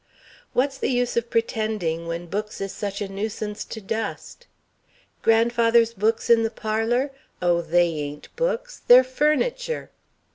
What's the use of pretending, when books is such a nuisance to dust? Grandfather's books in the parlour oh, they ain't books. They're furniture."